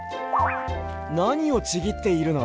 なにをちぎっているの？